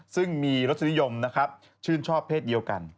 ซึ่งมีรสนิยมนะครับชื่นชอบเพศเดียวกัน